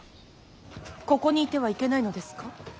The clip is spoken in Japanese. ここにいてはいけないのですか。